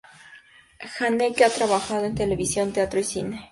Haneke ha trabajado en televisión‚ teatro y cine.